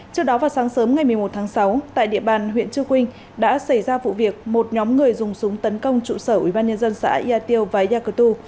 trước đó vào sáng sớm ngày một mươi một tháng sáu tại địa bàn huyện chưa quỳnh đã xảy ra vụ việc một nhóm người dùng súng tấn công trụ sở ủy ban nhân dân xã yatio và yakutu